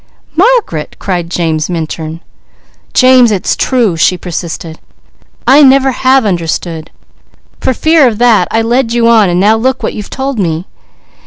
"Margaret!" cried James Minturn. "James, it's true!" she persisted. "I never have understood. For fear of that, I led you on and now look what you've told me.